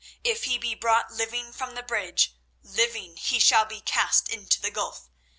If he be brought living from the bridge, living he shall be cast into the gulf.